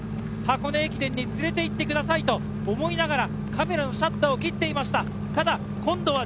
箱根駅伝に連れて行ってくださいと思いながらカメラのシャッターを切っていました。